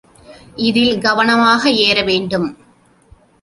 இதில் கவனமாக ஏறவேண்டும்.